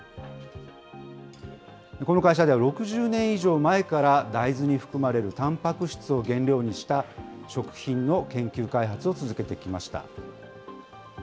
この会社では６０年以上前から大豆に含まれるたんぱく質を原料にした食品の研究開発を続けてきました。